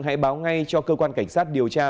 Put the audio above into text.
hãy báo ngay cho cơ quan cảnh sát điều tra